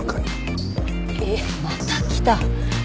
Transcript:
えっまた来た。